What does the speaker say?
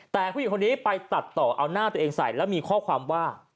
แต่ผู้หญิงคนนี้ไปตัดต่อเอาหน้าตัวเองใส่แล้วมีข้อความว่า